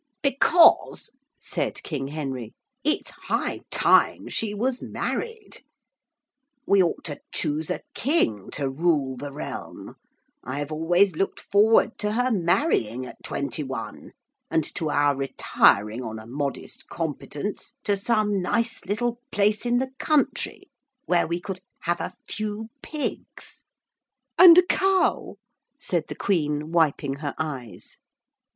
'Because,' said King Henry, 'it's high time she was married. We ought to choose a king to rule the realm I have always looked forward to her marrying at twenty one and to our retiring on a modest competence to some nice little place in the country where we could have a few pigs.' 'And a cow,' said the Queen, wiping her eyes.